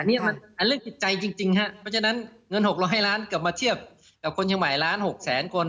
นี่มันเรื่องจิตใจจริงฮะเพราะฉะนั้นเงิน๖๐๐ล้านกลับมาเทียบกับคนเชียงใหม่ล้าน๖แสนคน